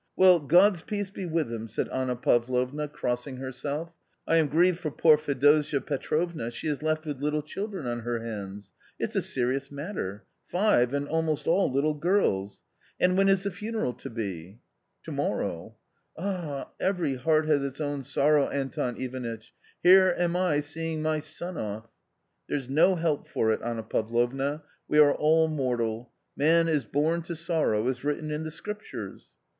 Well, God's peace be with him !" said Anna Pavlovna, crossing herself. "I am grieved for poor Fedosia Petrovna, she is left with little children on her hands, it's a serious matter — five, and almost all little girls. And when is the funeral to be ?"" To morrow." "Ah, every heart has its own sorrow, Anton Ivanitch, here am I seeing my son off." "There's no help for it, Anna Pavlovna, we are all mortal ;' man is born to sorrow,' is written in the Scriptures."